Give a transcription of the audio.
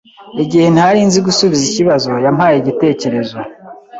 Igihe ntari nzi gusubiza ikibazo, yampaye igitekerezo.